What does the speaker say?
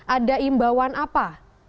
ada imbauan apa